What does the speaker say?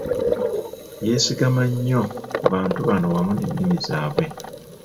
Yeesigamanga nnyo ku bantu bano wamu n'ennimi zaabwe.